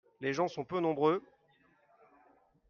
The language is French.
Les gens sont peu nombreux.